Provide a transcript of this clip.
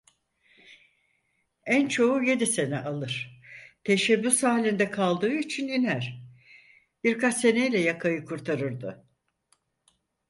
En çoğu yedi sene alır, teşebbüs halinde kaldığı için iner, birkaç seneyle yakayı kurtarırdı.